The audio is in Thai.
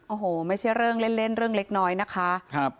โอ้โหไม่ใช่เรื่องเล่นเรื่องเล็กน้อยนะคะ